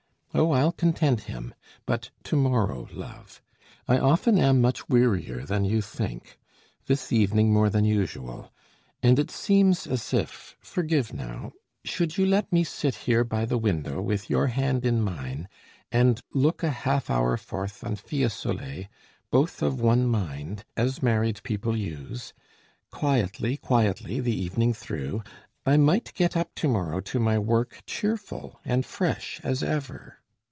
Oh, I'll content him, but to morrow, Love! I often am much wearier than you think, This evening more than usual: and it seems As if forgive now should you let me sit Here by the window, with your hand in mine, And look a. half hour forth on Fiesole, Both of one mind, as married people use, Quietly, quietly the evening through, I might get up to morrow to my work Cheerful and fresh as ever.